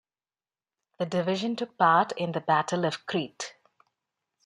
The division took part in the Battle of Crete.